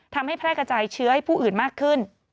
แพร่กระจายเชื้อให้ผู้อื่นมากขึ้น